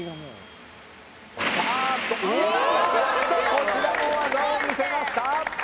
こちらも技を見せました。